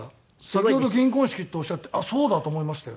先ほど「銀婚式」っておっしゃってあっそうだ！と思いましたよ。